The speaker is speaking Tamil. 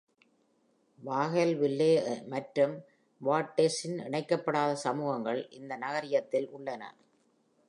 வாஹ்ல்வில்லெ மற்றும் வாட்டெர்ஸின் இணைக்கப்படாத சமூகங்கள் இந்த நகரியத்தில் உள்ளன.